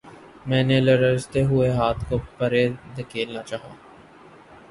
میں نے لرزتے ہوئے ہاتھ کو پرے دھکیلنا چاہا